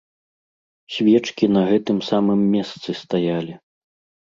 Свечкі на гэтым самым месцы стаялі.